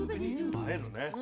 映えるね。